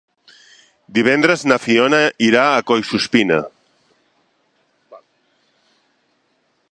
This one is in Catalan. Divendres na Fiona irà a Collsuspina.